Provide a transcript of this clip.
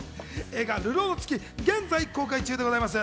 映画『流浪の月』は現在公開中です。